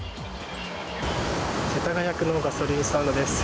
世田谷区のガソリンスタンドです。